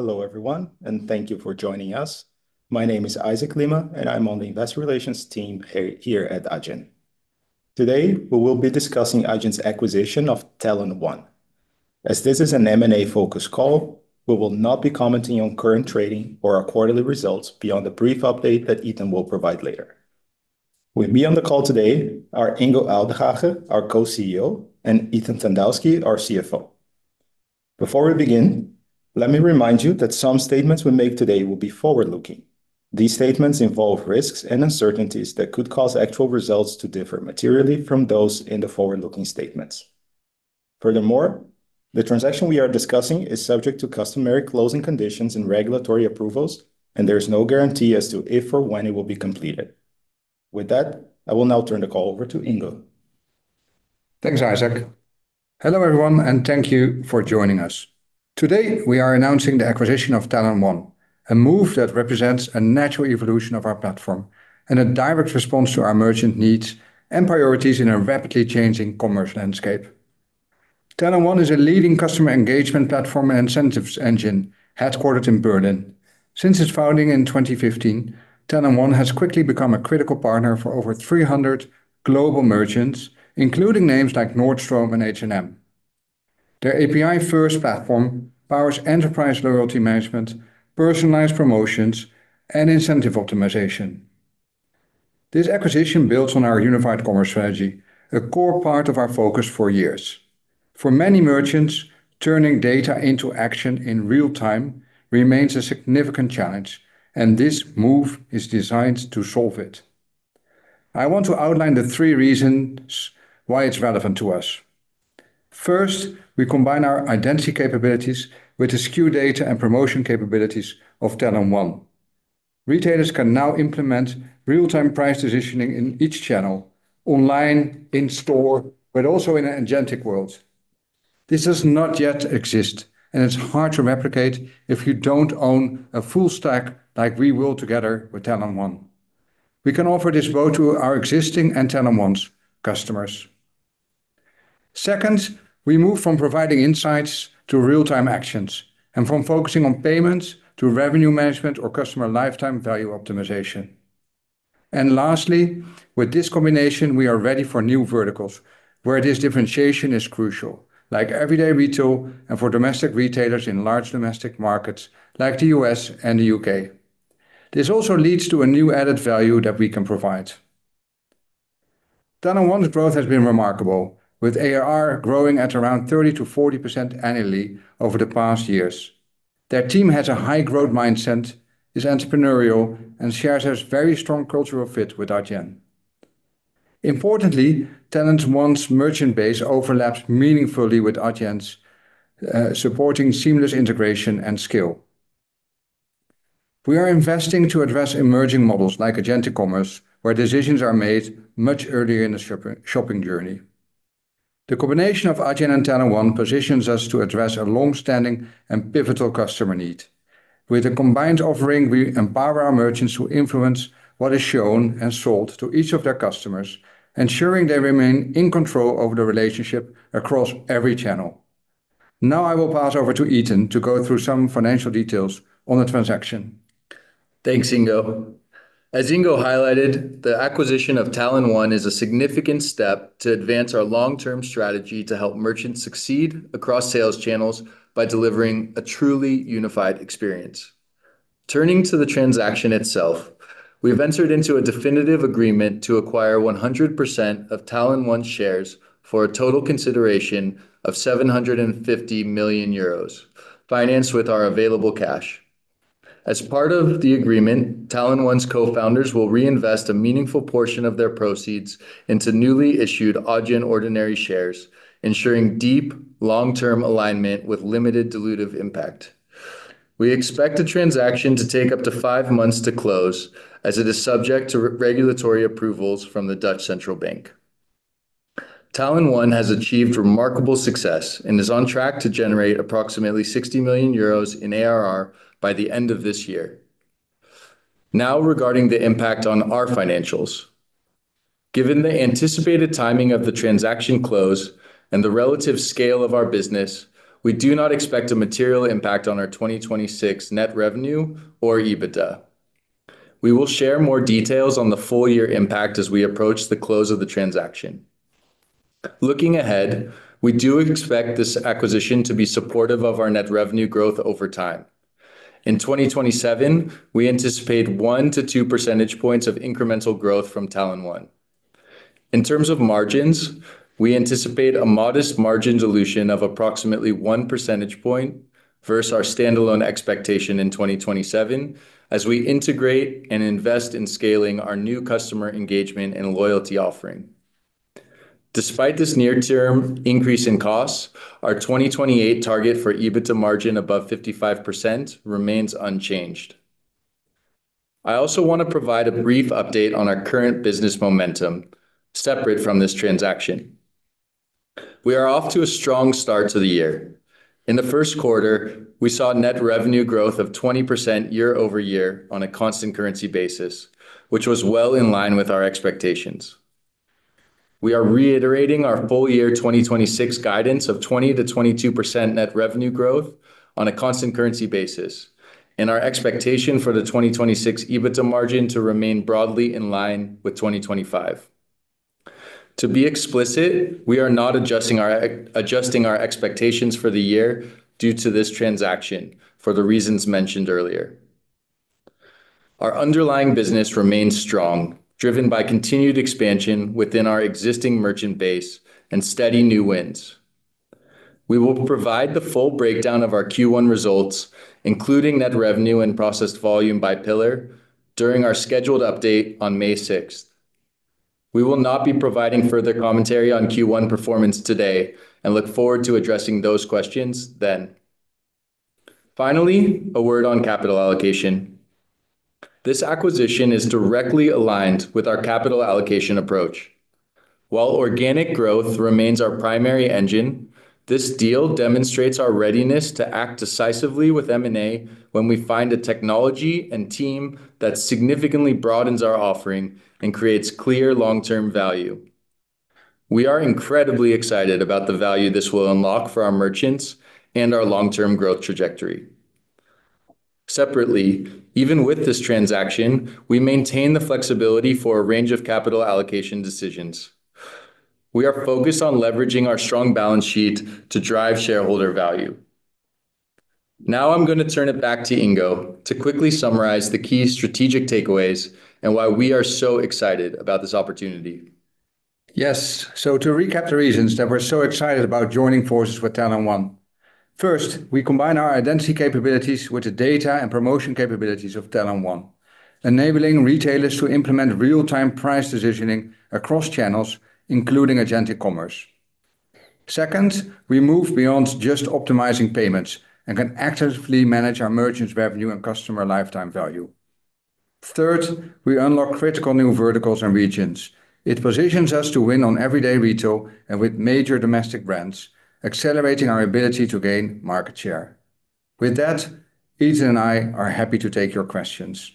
Hello, everyone, and thank you for joining us. My name is Isaac Lima, and I'm on the investor relations team here at Adyen. Today, we will be discussing Adyen's acquisition of Talon.One. As this is an M&A-focused call, we will not be commenting on current trading or our quarterly results beyond the brief update that Ethan will provide later. With me on the call today are Ingo Uytdehaage, our Co-CEO, and Ethan Tandowsky, our CFO. Before we begin, let me remind you that some statements we make today will be forward-looking. These statements involve risks and uncertainties that could cause actual results to differ materially from those in the forward-looking statements. Furthermore, the transaction we are discussing is subject to customary closing conditions and regulatory approvals, and there is no guarantee as to if or when it will be completed. With that, I will now turn the call over to Ingo. Thanks, Isaac. Hello, everyone, and thank you for joining us. Today, we are announcing the acquisition of Talon.One, a move that represents a natural evolution of our platform and a direct response to our merchant needs and priorities in a rapidly changing commerce landscape. Talon.One is a leading customer engagement platform and incentives engine headquartered in Berlin. Since its founding in 2015, Talon.One has quickly become a critical partner for over 300 global merchants, including names like Nordstrom and H&M. Their API-first platform powers enterprise loyalty management, personalized promotions, and incentive optimization. This acquisition builds on our Unified Commerce strategy, a core part of our focus for years. For many merchants, turning data into action in real time remains a significant challenge, and this move is designed to solve it. I want to outline the three reasons why it's relevant to us. First, we combine our identity capabilities with the SKU data and promotion capabilities of Talon.One. Retailers can now implement real-time price positioning in each channel, online, in store, but also in an agentic world. This does not yet exist, and it's hard to replicate if you don't own a full-stack like we will together with Talon.One. We can offer this both to our existing and Talon.One's customers. Second, we move from providing insights to real-time actions, and from focusing on payments to revenue management or customer lifetime value optimization. Lastly, with this combination, we are ready for new verticals where this differentiation is crucial, like everyday retail and for domestic retailers in large domestic markets, like the U.S. and the U.K. This also leads to a new added value that we can provide. Talon.One's growth has been remarkable, with ARR growing at around 30%-40% annually over the past years. Their team has a high growth mindset, is entrepreneurial, and shares a very strong cultural fit with Adyen. Importantly, Talon.One's merchant base overlaps meaningfully with Adyen's, supporting seamless integration and scale. We are investing to address emerging models like agentic commerce, where decisions are made much earlier in the shopping journey. The combination of Adyen and Talon.One positions us to address a long-standing and pivotal customer need. With a combined offering, we empower our merchants to influence what is shown and sold to each of their customers, ensuring they remain in control of the relationship across every channel. Now, I will pass over to Ethan to go through some financial details on the transaction. Thanks, Ingo. As Ingo highlighted, the acquisition of Talon.One is a significant step to advance our long-term strategy to help merchants succeed across sales channels, by delivering a truly unified experience. Turning to the transaction itself, we have entered into a definitive agreement to acquire 100% of Talon.One shares for a total consideration of 750 million euros, financed with our available cash. As part of the agreement, Talon.One's co-founders will reinvest a meaningful portion of their proceeds into newly issued Adyen ordinary shares, ensuring deep, long-term alignment with limited dilutive impact. We expect the transaction to take up to five months to close, as it is subject to regulatory approvals from the De Nederlandsche Bank. Talon.One has achieved remarkable success and is on track to generate approximately 60 million euros in ARR by the end of this year. Now, regarding the impact on our financials, given the anticipated timing of the transaction close and the relative scale of our business, we do not expect a material impact on our 2026 net revenue or EBITDA. We will share more details on the full year impact as we approach the close of the transaction. Looking ahead, we do expect this acquisition to be supportive of our net revenue growth over time. In 2027, we anticipate one to two percentage points of incremental growth from Talon.One. In terms of margins, we anticipate a modest margin dilution of approximately one percentage point versus our standalone expectation in 2027 as we integrate and invest in scaling our new customer engagement and loyalty offering. Despite this near-term increase in costs, our 2028 target for EBITDA margin above 55% remains unchanged. I also want to provide a brief update on our current business momentum, separate from this transaction. We are off to a strong start to the year. In the first quarter, we saw net revenue growth of 20% year-over-year on a constant currency basis, which was well in line with our expectations. We are reiterating our full-year 2026 guidance of 20%-22% net revenue growth on a constant currency basis, and our expectation for the 2026 EBITDA margin to remain broadly in line with 2025. To be explicit, we are not adjusting our expectations for the year due to this transaction for the reasons mentioned earlier. Our underlying business remains strong, driven by continued expansion within our existing merchant base and steady new wins. We will provide the full breakdown of our Q1 results, including net revenue and processed volume by pillar, during our scheduled update on May 6th. We will not be providing further commentary on Q1 performance today and look forward to addressing those questions then. Finally, a word on capital allocation. This acquisition is directly aligned with our capital allocation approach. While organic growth remains our primary engine, this deal demonstrates our readiness to act decisively with M&A when we find a technology and team that significantly broadens our offering and creates clear long-term value. We are incredibly excited about the value this will unlock for our merchants and our long-term growth trajectory. Separately, even with this transaction, we maintain the flexibility for a range of capital allocation decisions. We are focused on leveraging our strong balance sheet to drive shareholder value. Now I'm going to turn it back to Ingo to quickly summarize the key strategic takeaways and why we are so excited about this opportunity. Yes. To recap the reasons that we're so excited about joining forces with Talon.One, first, we combine our identity capabilities with the data and promotion capabilities of Talon.One, enabling retailers to implement real-time price decisioning across channels, including agentic commerce. Second, we move beyond just optimizing payments and can actively manage our merchants' revenue and customer lifetime value. Third, we unlock critical new verticals and regions. It positions us to win on everyday retail and with major domestic brands, accelerating our ability to gain market share. With that, Ethan and I are happy to take your questions.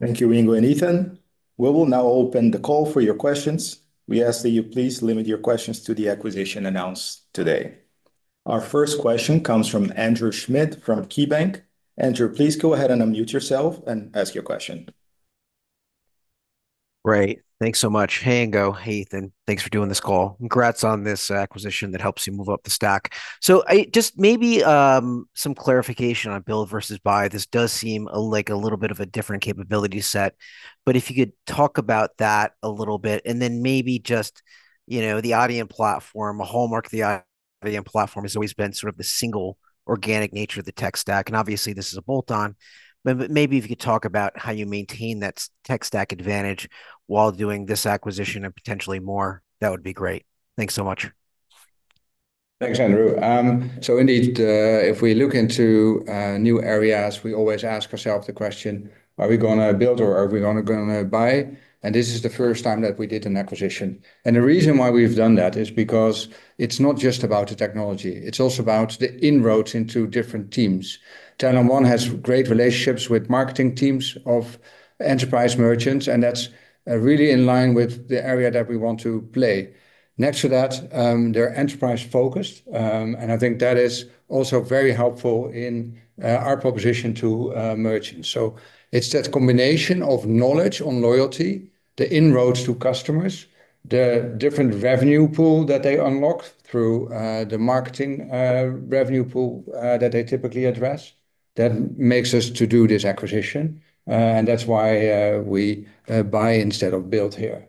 Thank you, Ingo and Ethan. We will now open the call for your questions. We ask that you please limit your questions to the acquisition announced today. Our first question comes from Andrew Schmidt from KeyBanc. Andrew, please go ahead and unmute yourself and ask your question. Great. Thanks so much. Hey, Ingo. Hey, Ethan. Thanks for doing this call. Congrats on this acquisition that helps you move up the stack. Just maybe some clarification on build versus buy. This does seem like a little bit of a different capability set, but if you could talk about that a little bit and then maybe just the Adyen platform, a hallmark of the Adyen platform has always been sort of the single organic nature of the tech stack, and obviously this is a bolt-on, but maybe if you could talk about how you maintain that tech stack advantage while doing this acquisition and potentially more, that would be great. Thanks so much. Thanks, Andrew. Indeed, if we look into new areas, we always ask ourselves the question, are we going to build or are we only going to buy? This is the first time that we did an acquisition. The reason why we've done that is because it's not just about the technology. It's also about the inroads into different teams. Talon.One has great relationships with marketing teams of enterprise merchants, and that's really in line with the area that we want to play. Next to that, they're enterprise-focused, and I think that is also very helpful in our proposition to merchants. It's that combination of knowledge on loyalty, the inroads to customers, the different revenue pool that they unlock through the marketing revenue pool that they typically address that makes us to do this acquisition, and that's why we buy instead of build here.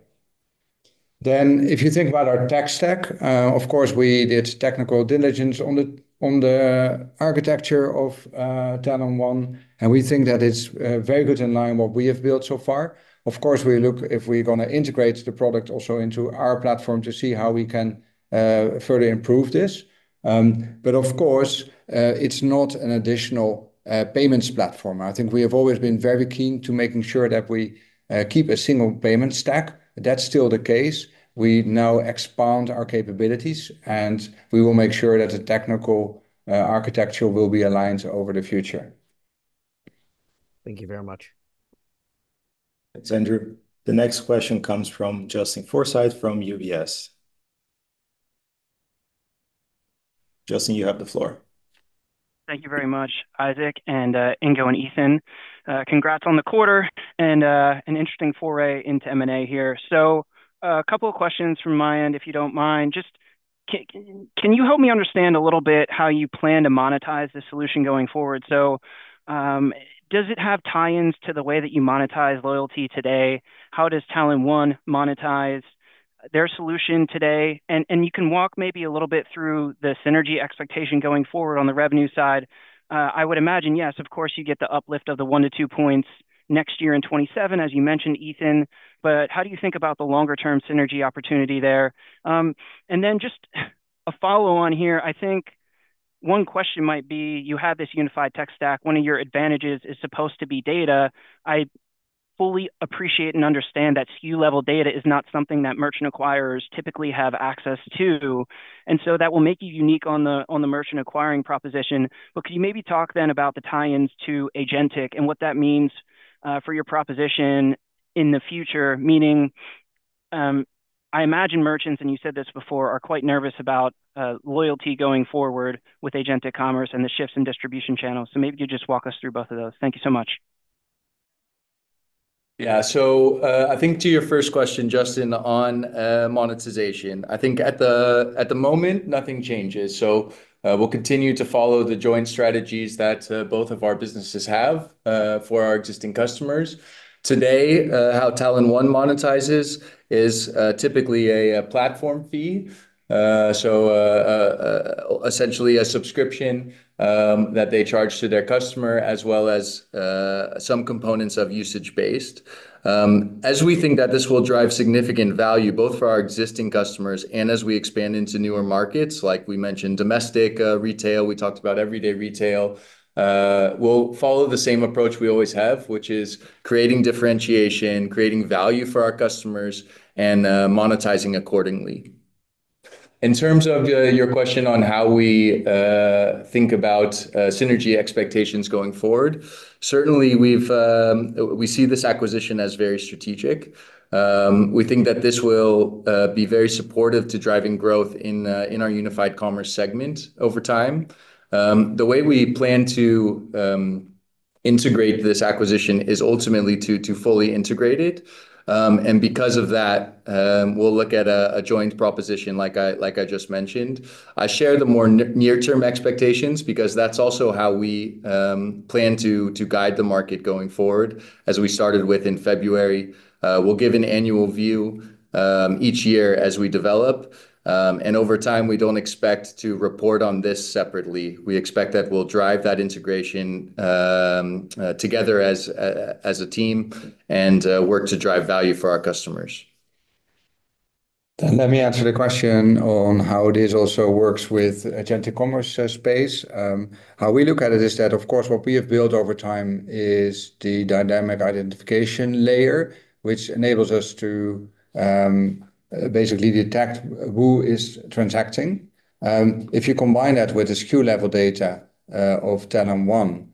If you think about our tech stack, of course, we did technical diligence on the architecture of Talon.One, and we think that it's very good in line with what we have built so far. Of course, we look if we're going to integrate the product also into our platform to see how we can further improve this. Of course, it's not an additional payments platform. I think we have always been very keen to making sure that we keep a single payment stack. That's still the case. We now expand our capabilities, and we will make sure that the technical architecture will be aligned over the future. Thank you very much. Thanks, Andrew. The next question comes from Justin Forsythe from UBS. Justin, you have the floor. Thank you very much, Isaac and Ingo and Ethan. Congrats on the quarter and an interesting foray into M&A here. A couple of questions from my end, if you don't mind. Just, can you help me understand a little bit how you plan to monetize this solution going forward? Does it have tie-ins to the way that you monetize loyalty today? How does Talon.One monetize their solution today? And you can walk maybe a little bit through the synergy expectation going forward on the revenue side. I would imagine, yes, of course, you get the uplift of the one to two points next year in 2027, as you mentioned, Ethan. How do you think about the longer-term synergy opportunity there? Just a follow on here. I think one question might be, you have this unified tech stack. One of your advantages is supposed to be data. I fully appreciate and understand that SKU-level data is not something that merchant acquirers typically have access to, and so that will make you unique on the merchant acquiring proposition. Could you maybe talk then about the tie-ins to agentic and what that means for your proposition in the future, meaning I imagine merchants, and you said this before, are quite nervous about loyalty going forward with agentic commerce and the shifts in distribution channels. Maybe you just walk us through both of those. Thank you so much. Yeah. I think to your first question, Justin, on monetization. I think at the moment, nothing changes. We'll continue to follow the joint strategies that both of our businesses have for our existing customers. Today, how Talon.One monetizes is typically a platform fee. Essentially a subscription that they charge to their customer, as well as some components of usage-based. As we think that this will drive significant value both for our existing customers and as we expand into newer markets, like we mentioned, domestic retail, we talked about everyday retail, we'll follow the same approach we always have, which is creating differentiation, creating value for our customers, and monetizing accordingly. In terms of your question on how we think about synergy expectations going forward, certainly we see this acquisition as very strategic. We think that this will be very supportive to driving growth in our Unified Commerce segment over time. The way we plan to integrate this acquisition is ultimately to fully integrate it. Because of that, we'll look at a joint proposition like I just mentioned. I share the more near-term expectations because that's also how we plan to guide the market going forward. As we started with in February, we'll give an annual view each year as we develop. Over time, we don't expect to report on this separately. We expect that we'll drive that integration together as a team and work to drive value for our customers. Let me answer the question on how this also works with agentic commerce space. How we look at it is that, of course, what we have built over time is the Dynamic Identification layer, which enables us to basically detect who is transacting. If you combine that with the SKU level data of Talon.One,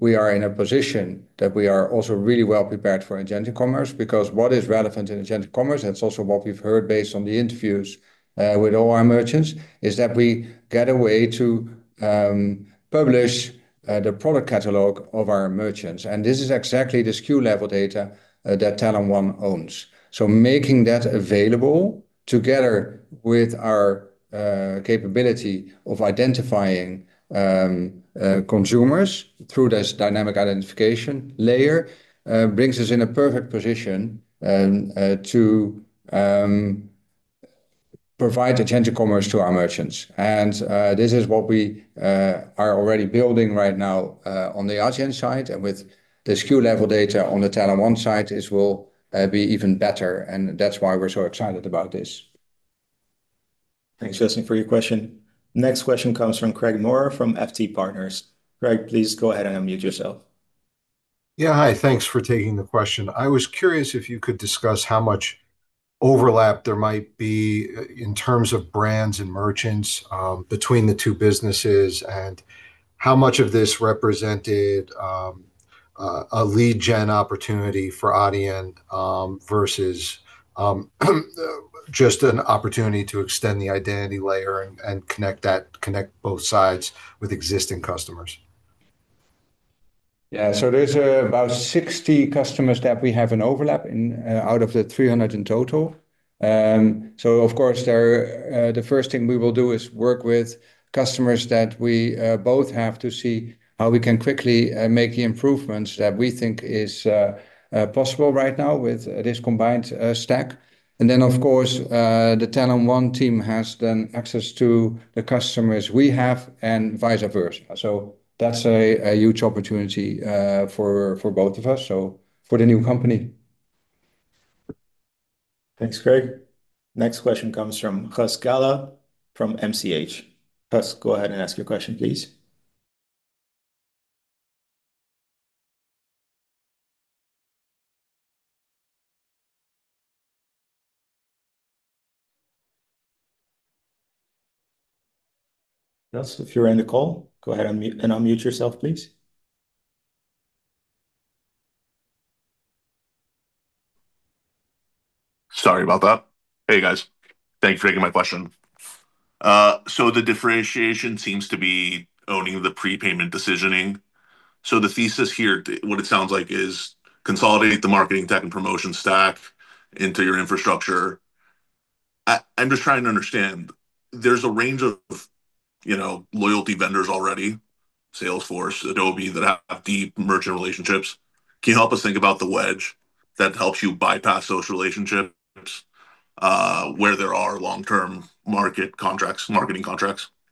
we are in a position that we are also really well prepared for agentic commerce, because what is relevant in agentic commerce, that's also what we've heard based on the interviews with all our merchants, is that we get a way to publish the product catalog of our merchants. This is exactly the SKU level data that Talon.One owns. Making that available together with our capability of identifying consumers, through this Dynamic Identification layer brings us in a perfect position to provide agentic commerce to our merchants. This is what we are already building right now on the Adyen side and with the SKU level data on the Talon.One side, it will be even better, and that's why we're so excited about this. Thanks, Justin, for your question. Next question comes from Craig Maurer from FT Partners. Craig, please go ahead and unmute yourself. Yeah. Hi. Thanks for taking the question. I was curious if you could discuss how much overlap there might be in terms of brands and merchants between the two businesses, and how much of this represented a lead gen opportunity for Adyen, versus just an opportunity to extend the identity layer and connect both sides with existing customers. Yeah. There's about 60 customers that we have an overlap in out of the 300 in total. Of course, the first thing we will do is work with customers that we both have to see how we can quickly make the improvements that we think is possible right now with this combined stack. Of course, the Talon.One team has then access to the customers we have and vice versa. That's a huge opportunity for both of us, so for the new company. Thanks, Craig. Next question comes from Gus Gala from MCH. Gus, go ahead and ask your question, please. Gus, if you're in the call, go ahead and unmute yourself, please. Sorry about that. Hey, guys. Thank you for taking my question. The differentiation seems to be owning the prepayment decisioning. The thesis here, what it sounds like, is consolidate the marketing tech and promotion stack into your infrastructure. I'm just trying to understand, there's a range of loyalty vendors already, Salesforce, Adobe, that have deep merchant relationships. Can you help us think about the wedge that helps you bypass those relationships, where there are long-term marketing contracts?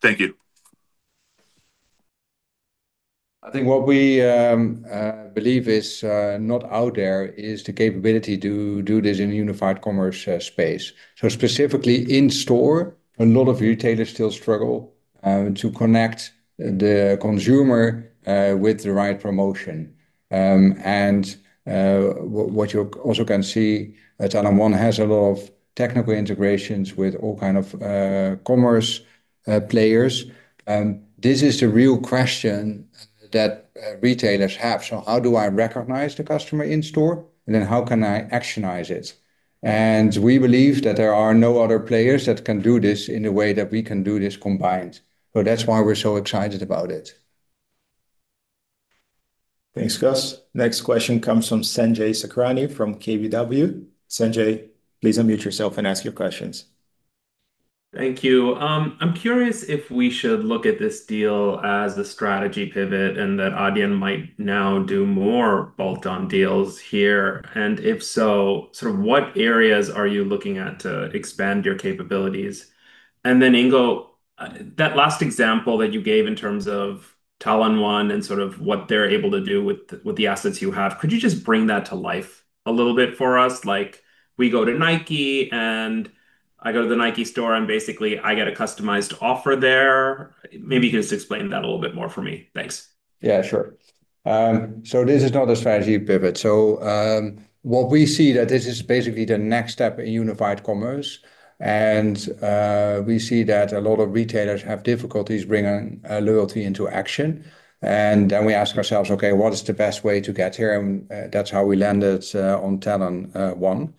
Thank you. I think what we believe is not out there is the capability to do this in a Unified Commerce space. Specifically in store, a lot of retailers still struggle to connect the consumer with the right promotion. What you also can see at Talon.One has a lot of technical integrations with all kind of commerce players. This is the real question that retailers have. How do I recognize the customer in store, and then how can I actionize it? We believe that there are no other players that can do this in the way that we can do this combined. That's why we're so excited about it. Thanks, Gus. Next question comes from Sanjay Sakhrani from KBW. Sanjay, please unmute yourself and ask your questions. Thank you. I'm curious if we should look at this deal as a strategy pivot and that Adyen might now do more bolt-on deals here, and if so, sort of what areas are you looking at to expand your capabilities? Then Ingo, that last example that you gave in terms of Talon.One and sort of what they're able to do with the assets you have, could you just bring that to life a little bit for us? Like, we go to Nike, and I go to the Nike store, and basically I get a customized offer there. Maybe you can just explain that a little bit more for me. Thanks. Yeah, sure. This is not a strategy pivot. What we see that this is basically the next step in Unified Commerce and we see that a lot of retailers have difficulties bringing loyalty into action. Then we ask ourselves, "Okay, what is the best way to get here?" That's how we landed on Talon.One.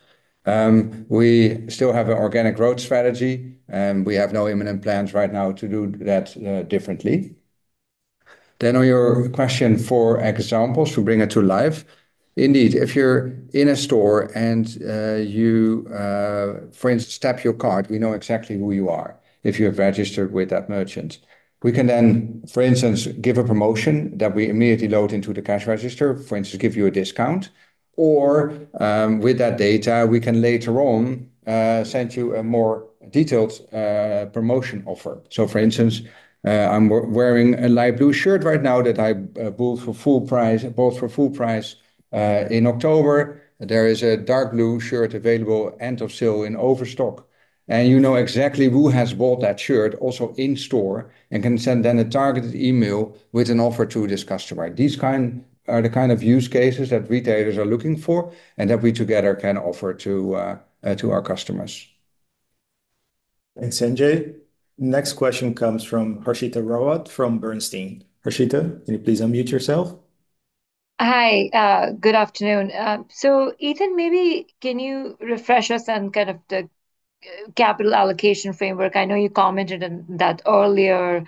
We still have an organic growth strategy, and we have no imminent plans right now to do that differently. On your question for examples to bring it to life, indeed, if you're in a store and you, for instance, tap your card, we know exactly who you are if you have registered with that merchant. We can, for instance, give a promotion that we immediately load into the cash register, for instance, give you a discount, or with that data, we can later on send you a more detailed promotion offer. For instance, I'm wearing a light blue shirt right now that I bought for full price in October. There is a dark blue shirt available end of sale in overstock, and you know exactly who has bought that shirt also in store and can send then a targeted email with an offer to this customer. These are the kind of use cases that retailers are looking for and that we together can offer to our customers. Thanks, Sanjay. Next question comes from Harshita Rawat from Bernstein. Harshita, can you please unmute yourself? Hi, good afternoon. Ethan, maybe can you refresh us on kind of the capital allocation framework? I know you commented on that earlier.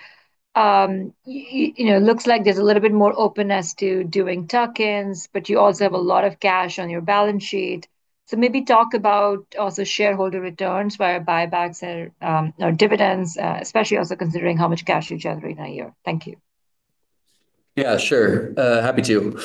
It looks like there's a little bit more openness to doing tuck-ins, but you also have a lot of cash on your balance sheet. Maybe talk about also shareholder returns via buybacks or dividends, especially also considering how much cash you generate in a year. Thank you. Yeah, sure. Happy to.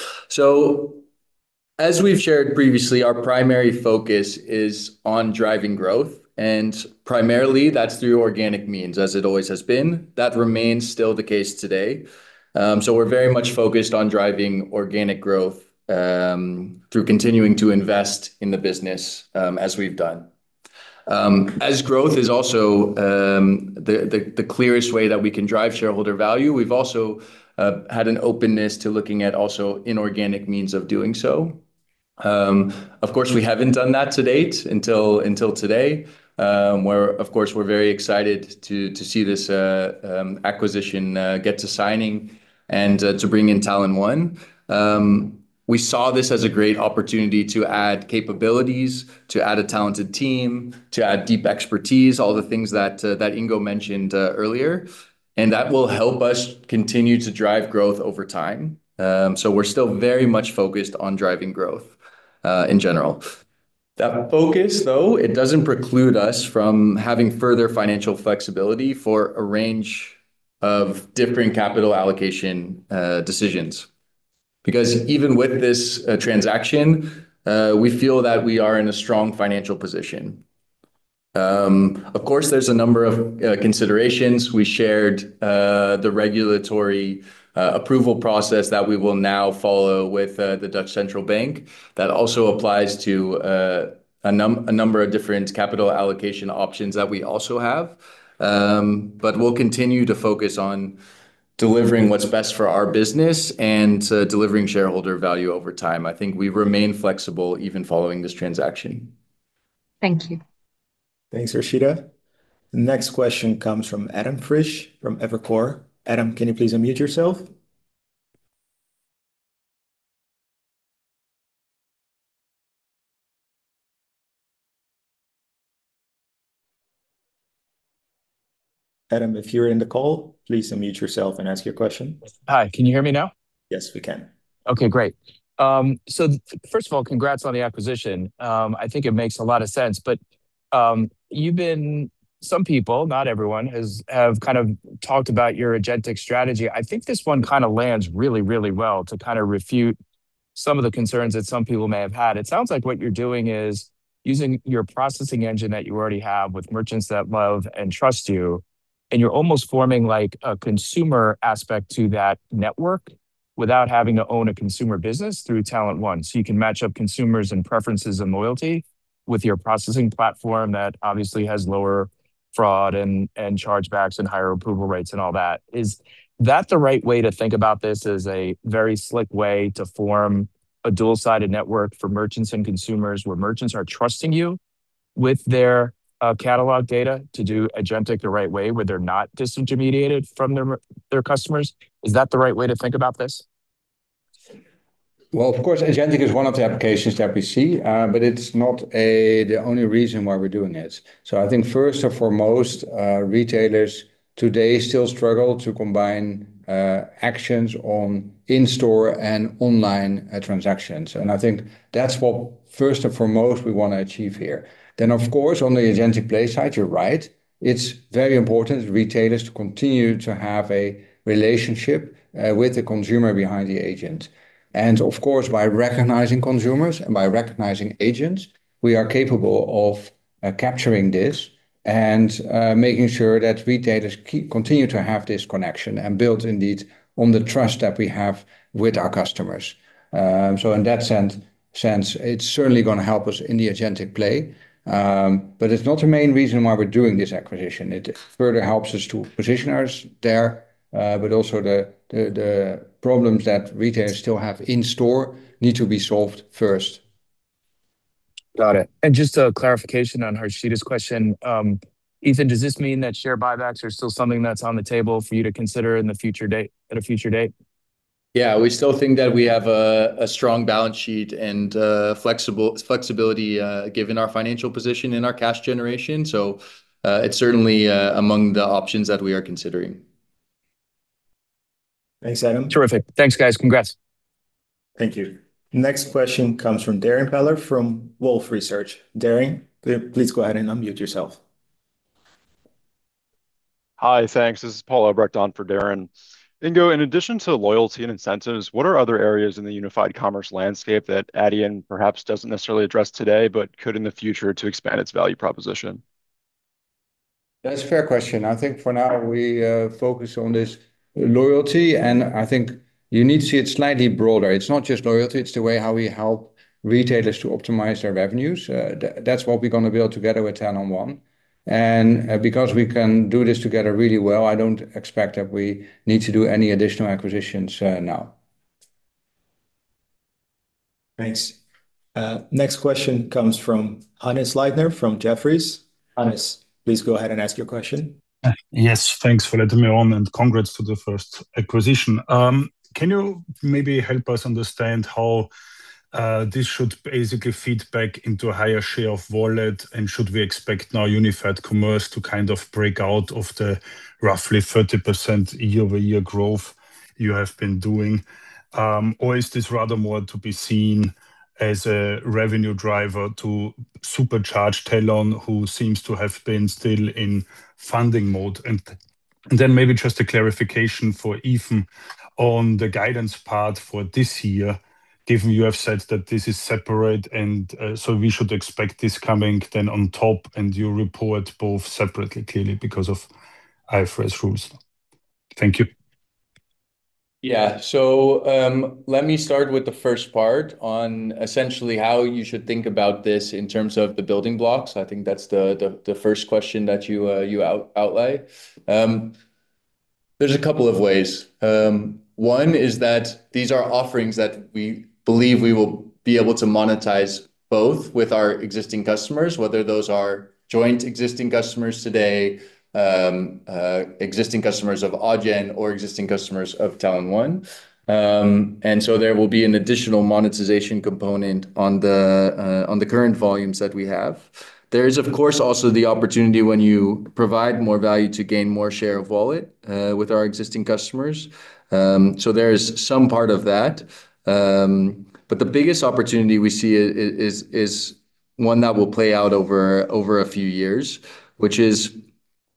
As we've shared previously, our primary focus is on driving growth, and primarily that's through organic means, as it always has been. That remains still the case today. We're very much focused on driving organic growth through continuing, to invest in the business as we've done. As growth is also the clearest way that we can drive shareholder value, we've also had an openness to looking at also inorganic means of doing so. Of course, we haven't done that to date until today, where, of course, we're very much excited to see this acquisition get to signing and to bring in Talon.One. We saw this as a great opportunity to add capabilities, to add a talented team, to add deep expertise, all the things that Ingo mentioned earlier, and that will help us continue to drive growth over time. We're still very much focused on driving growth in general. That focus, though, it doesn't preclude us from having further financial flexibility for a range of different capital allocation decisions. Because even with this transaction, we feel that we are in a strong financial position. Of course, there's a number of considerations. We shared the regulatory approval process that we will now follow with De Nederlandsche Bank. That also applies to a number of different capital allocation options that we also have. We'll continue to focus on delivering what's best for our business and delivering shareholder value over time. I think we remain flexible even following this transaction. Thank you. Thanks, Harshita. The next question comes from Adam Frisch from Evercore. Adam, can you please unmute yourself? Adam, if you're in the call, please unmute yourself and ask your question. Hi, can you hear me now? Yes, we can. Okay, great. First of all, congrats on the acquisition. I think it makes a lot of sense, but some people, not everyone, have kind of talked about your agentic strategy. I think this one kind of lands really, really well to kind of refute some of the concerns that some people may have had. It sounds like what you're doing is using your processing engine that you already have with merchants that love and trust you, and you're almost forming like a consumer aspect to that network without having to own a consumer business through Talon.One. You can match up consumers and preferences and loyalty with your processing platform that obviously has lower fraud and chargebacks and higher approval rates and all that. Is that the right way to think about this as a very slick way to form a dual-sided network for merchants and consumers where merchants are trusting you with their catalog data to do agentic the right way where they're not disintermediated from their customers? Is that the right way to think about this? Well, of course, agentic is one of the applications that we see, but it's not the only reason why we're doing this. I think first and foremost, retailers today still struggle to combine actions on in-store and online transactions. I think that's what first and foremost we want to achieve here. Of course, on the agentic play side, you're right, it's very important for retailers to continue to have a relationship with the consumer behind the agent. Of course, by recognizing consumers and by recognizing agents, we are capable of capturing this and making sure that retailers continue to have this connection and build indeed on the trust that we have with our customers. In that sense, it's certainly going to help us in the agentic play. It's not the main reason why we're doing this acquisition. It further helps us to position there, but also the problems that retailers still have in-store need to be solved first. Got it. Just a clarification on Harshita's question. Ethan, does this mean that share buybacks are still something that's on the table for you to consider at a future date? Yeah, we still think that we have a strong balance sheet and flexibility given our financial position and our cash generation. It's certainly among the options that we are considering. Thanks, Adam. Terrific. Thanks, guys. Congrats. Thank you. Next question comes from Darrin Peller from Wolfe Research. Darrin, please go ahead and unmute yourself. Hi. Thanks. This is Paul Obrecht on for Darrin. Ingo, in addition to loyalty and incentives, what are other areas in the Unified Commerce landscape that Adyen perhaps doesn't necessarily address today, but could in the future to expand its value proposition? That's a fair question. I think for now we focus on this loyalty, and I think you need to see it slightly broader. It's not just loyalty, it's the way how we help retailers to optimize their revenues. That's what we're going to build together with Talon.One. Because we can do this together really well, I don't expect that we need to do any additional acquisitions now. Thanks. Next question comes from Hannes Leitner from Jefferies. Hannes, please go ahead and ask your question. Yes, thanks for letting me on, and congrats to the first acquisition. Can you maybe help us understand how this should basically feed back into a higher share of wallet? Should we expect now Unified Commerce to kind of break out of the roughly 30% year-over-year growth you have been doing? Is this rather more to be seen as a revenue driver to supercharge Talon.One, who seems to have been still in funding mode? Maybe just a clarification for Ethan Tandowsky on the guidance part for this year, given you have said that this is separate and so we should expect this coming then on top and you report both separately, clearly because of IFRS rules. Thank you. Yeah. Let me start with the first part on essentially how you should think about this in terms of the building blocks. I think that's the first question that you laid out. There's a couple of ways. One is that these are offerings that we believe we will be able to monetize both with our existing customers, whether those are joint existing customers today, existing customers of Adyen, or existing customers of Talon.One. There will be an additional monetization component on the current volumes that we have. There is, of course, also the opportunity when you provide more value to gain more share of wallet with our existing customers. There is some part of that. The biggest opportunity we see is one that will play out over a few years, which is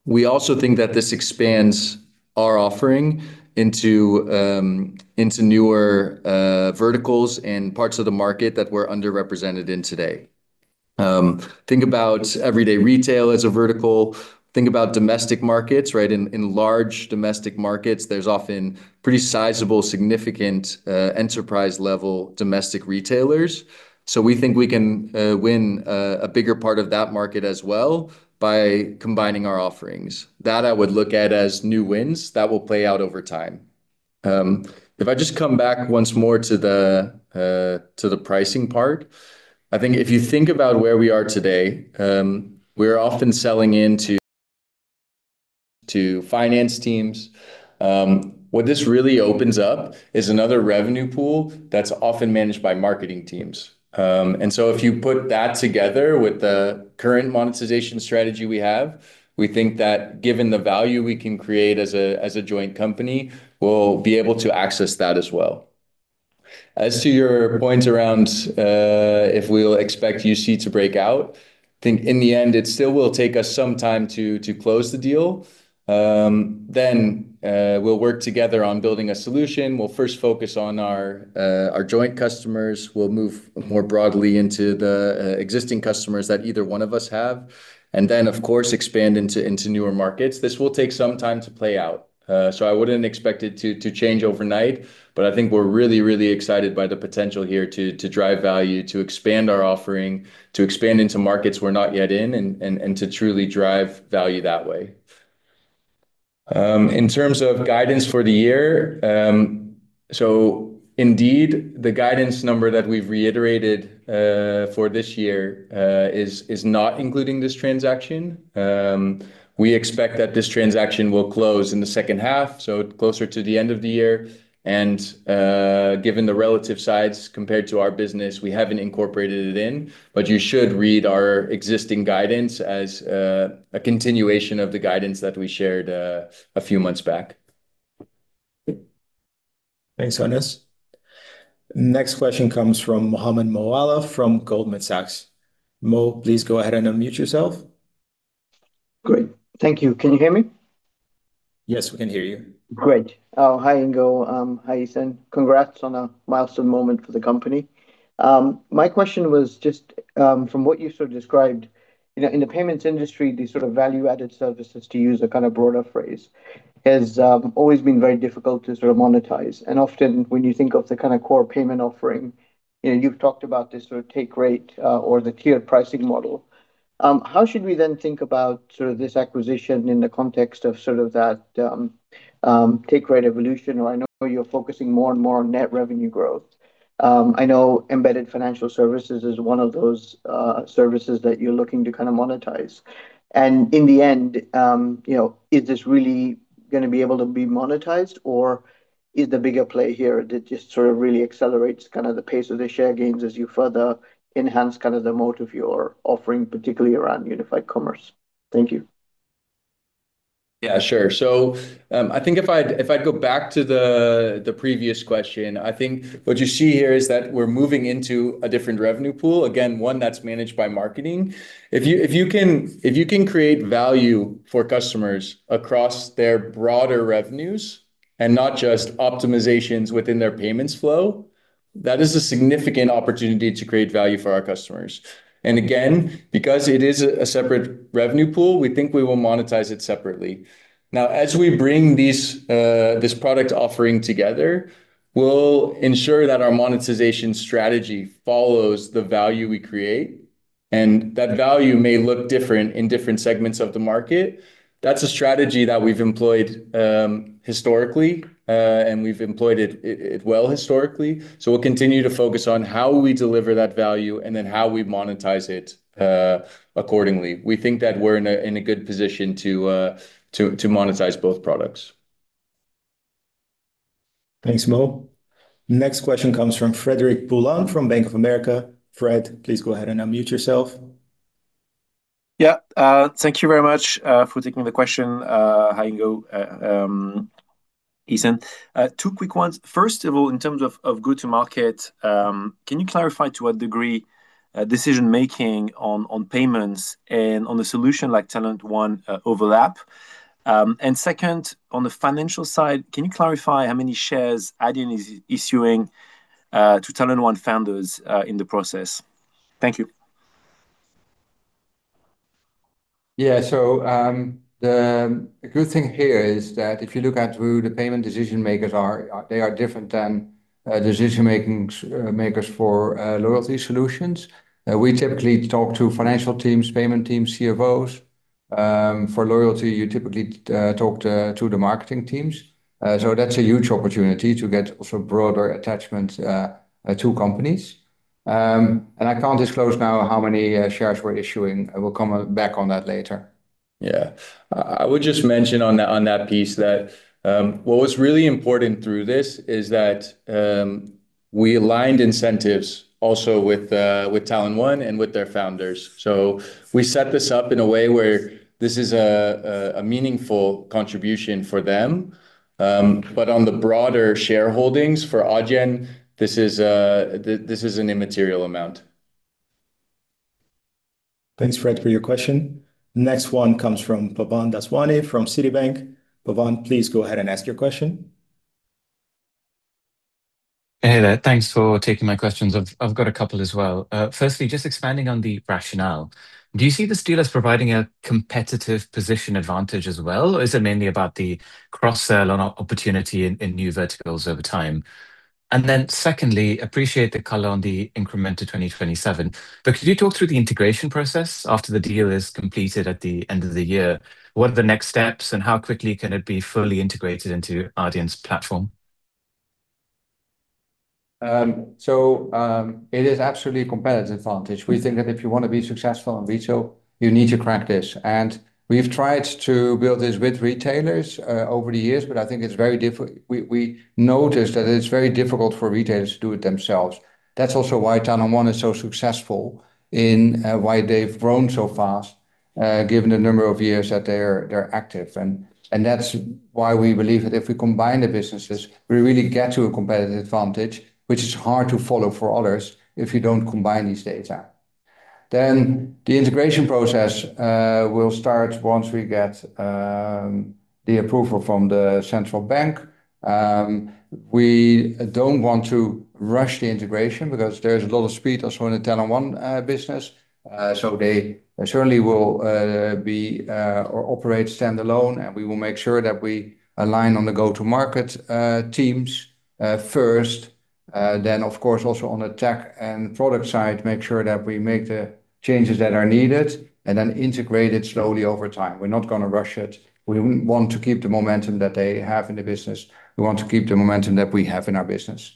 we also think that this expands our offering into newer verticals and parts of the market that we're underrepresented in today. Think about everyday retail as a vertical. Think about domestic markets, right? In large domestic markets, there's often pretty sizable, significant enterprise-level domestic retailers. We think we can win a bigger part of that market as well by combining our offerings. That I would look at as new wins that will play out over time. If I just come back once more to the pricing part, I think if you think about where we are today, we're often selling into finance teams. What this really opens up is another revenue pool that's often managed by marketing teams. If you put that together with the current monetization strategy we have, we think that given the value we can create as a joint company, we'll be able to access that as well. As to your points around if we'll expect UC to break out, I think in the end, it still will take us some time to close the deal. We'll work together on building a solution. We'll first focus on our joint customers. We'll move more broadly into the existing customers that either one of us have, of course, expand into newer markets. This will take some time to play out. I wouldn't expect it to change overnight, but I think we're really, really excited by the potential here to drive value, to expand our offering, to expand into markets we're not yet in, and to truly drive value that way. In terms of guidance for the year, so indeed, the guidance number that we've reiterated for this year is not including this transaction. We expect that this transaction will close in the second half, so closer to the end of the year. Given the relative sides compared to our business, we haven't incorporated it in, but you should read our existing guidance as a continuation of the guidance that we shared a few months back. Thanks, Hannes. Next question comes from Mohammed Moawalla from Goldman Sachs. Mo, please go ahead and unmute yourself. Great. Thank you. Can you hear me? Yes, we can hear you. Great. Oh, hi, Ingo. Hi, Ethan. Congrats on a milestone moment for the company. My question was just from what you sort of described, in the payments industry, these sort of value-added services, to use a kind of broader phrase, has always been very difficult to sort of monetize. Often, when you think of the kind of core payment offering, you've talked about this sort of take rate or the tiered pricing model. How should we then think about sort of this acquisition in the context of that take rate evolution? I know you're focusing more and more on net revenue growth. I know embedded financial services is one of those services that you're looking to kind of monetize. In the end, is this really going to be able to be monetized, or is the bigger play here that just sort of really accelerates kind of the pace of the share gains as you further enhance kind of the moat of your offering, particularly around Unified Commerce? Thank you. Yeah, sure. I think if I go back to the previous question, I think what you see here is that we're moving into a different revenue pool, again, one that's managed by marketing. If you can create value for customers across their broader revenues and not just optimizations within their payments flow, that is a significant opportunity to create value for our customers. Again, because it is a separate revenue pool, we think we will monetize it separately. Now, as we bring this product offering together, we'll ensure that our monetization strategy follows the value we create, and that value may look different in different segments of the market. That's a strategy that we've employed historically, and we've employed it well historically. We'll continue to focus on how we deliver that value and then how we monetize it accordingly. We think that we're in a good position to monetize both products. Thanks, Mo. Next question comes from Frederic Boulan from Bank of America. Fred, please go ahead and unmute yourself. Yeah. Thank you very much for taking the question. Hi, Ingo, Ethan. Two quick ones. First of all, in terms of go-to market, can you clarify to what degree decision-making on payments and on the solution like Talon.One overlap? And second, on the financial side, can you clarify how many shares Adyen is issuing to Talon.One founders in the process? Thank you. Yeah. The good thing here is that if you look at who the payment decision-makers are, they are different than decision-makers for loyalty solutions. We typically talk to financial teams, payment teams, CFOs. For loyalty, you typically talk to the marketing teams. That's a huge opportunity to get also broader attachment to companies. I can't disclose now how many shares we're issuing. I will come back on that later. Yeah. I would just mention on that piece that what was really important through this is that we aligned incentives also with Talon.One and with their founders. We set this up in a way where this is a meaningful contribution for them. On the broader shareholdings for Adyen, this is an immaterial amount. Thanks, Frederic, for your question. Next one comes from Pavan Daswani from Citibank. Pavan, please go ahead and ask your question. Hey there. Thanks for taking my questions. I've got a couple as well. Firstly, just expanding on the rationale. Do you see this deal as providing a competitive position advantage as well, or is it mainly about the cross-sell on opportunity in new verticals over time? Secondly, appreciate the color on the increment to 2027. Could you talk through the integration process after the deal is completed at the end of the year? What are the next steps, and how quickly can it be fully integrated into Adyen's platform? It is absolutely a competitive advantage. We think that if you want to be successful in retail, you need to crack this. We've tried to build this with retailers over the years, but I think it's very difficult. We noticed that it's very difficult for retailers to do it themselves. That's also why Talon.One is so successful and why they've grown so fast, given the number of years that they're active. That's why we believe that if we combine the businesses, we really get to a competitive advantage, which is hard to follow for others if you don't combine these data. The integration process will start once we get the approval from the Central Bank. We don't want to rush the integration because there is a lot of speed also in the Talon.One business. They certainly will operate standalone, and we will make sure that we align on the go-to-market teams first. Then of course, also on the tech and product side, make sure that we make the changes that are needed and then integrate it slowly over time. We're not going to rush it. We want to keep the momentum that they have in the business. We want to keep the momentum that we have in our business.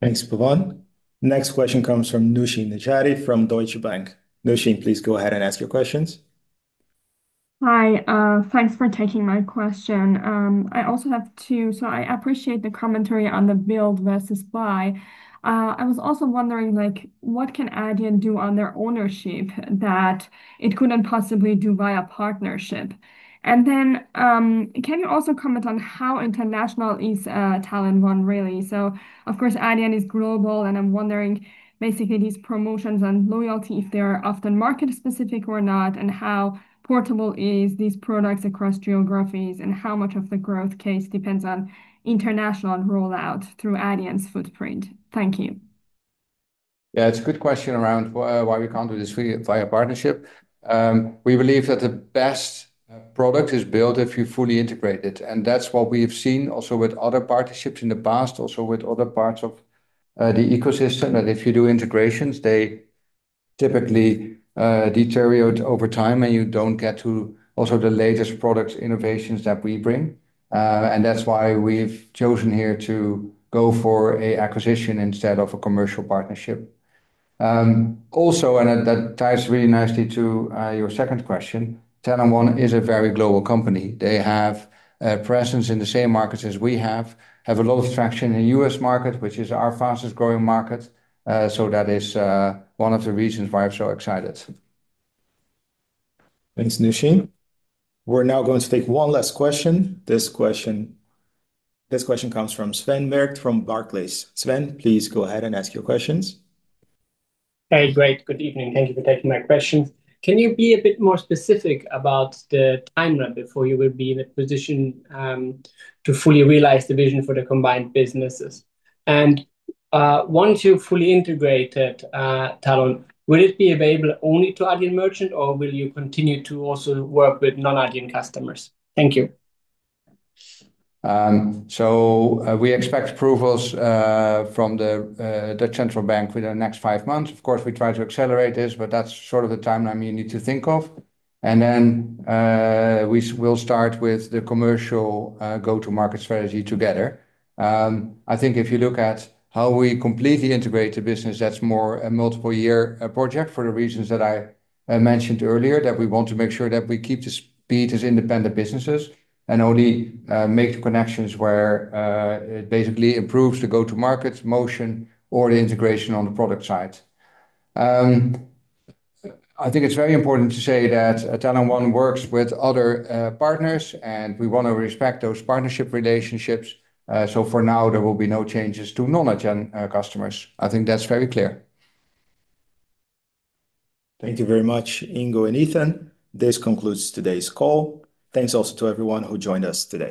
Thanks, Pavan. Next question comes from Nooshin Nejati from Deutsche Bank. Nooshin, please go ahead and ask your questions. Hi. Thanks for taking my question. I appreciate the commentary on the build versus buy. I was also wondering what can Adyen do on their own that it couldn't possibly do via partnership? And then, can you also comment on how international is Talon.One really? Of course, Adyen is global, and I'm wondering basically these promotions and loyalty, if they're often market-specific or not, and how portable is these products across geographies, and how much of the growth case depends on international and rollout through Adyen's footprint. Thank you. Yeah. It's a good question around why we can't do this via partnership. We believe that the best product is built if you fully integrate it, and that's what we have seen also with other partnerships in the past, also with other parts of the ecosystem, that if you do integrations, they typically deteriorate over time and you don't get to also the latest product innovations that we bring. That's why we've chosen here to go for a acquisition instead of a commercial partnership. Also, and that ties really nicely to your second question, Talon.One is a very global company. They have a presence in the same markets as we have a lot of traction in the U.S. market, which is our fastest-growing market. That is one of the reasons why I'm so excited. Thanks, Nooshin. We're now going to take one last question. This question comes from Sven Merkt from Barclays. Sven, please go ahead and ask your questions. Hey, great. Good evening. Thank you for taking my questions. Can you be a bit more specific about the timeline before you will be in a position to fully realize the vision for the combined businesses? Once you've fully integrated Talon.One, will it be available only to Adyen merchant, or will you continue to also work with non-Adyen customers? Thank you. We expect approvals from the central bank within the next five months. Of course, we try to accelerate this, but that's sort of the timeline you need to think of. Then we'll start with the commercial go-to market strategy together. I think if you look at how we completely integrate the business, that's more a multiple-year project for the reasons that I mentioned earlier, that we want to make sure that we keep the speed as independent businesses and only make the connections where it basically improves the go-to-market motion or the integration on the product side. I think it's very important to say that Talon.One works with other partners, and we want to respect those partnership relationships. For now, there will be no changes to non-Adyen customers. I think that's very clear. Thank you very much, Ingo and Ethan. This concludes today's call. Thanks also to everyone who joined us today.